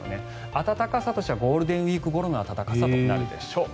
暖かさとしてはゴールデンウィークごろの暖かさとなるでしょう。